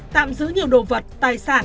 tạm giữ nhiều đồ vật tài sản